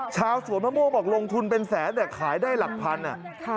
ชาวสวนมะม่วงบอกลงทุนเป็นแสนแต่ขายได้หลักพันอ่ะ